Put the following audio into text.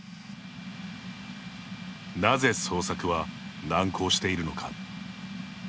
なぜ、捜索は難航しているのか。